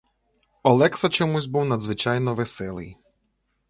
Олекса чомусь був надзвичайно веселий.